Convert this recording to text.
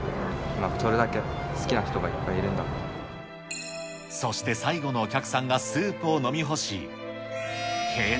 それだけ好きな人がいっぱいいるそして最後のお客さんがスー